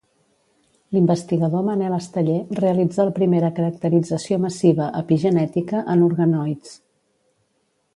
L'investigador Manel Esteller realitza la primera caracterització massiva epigenètica en organoids.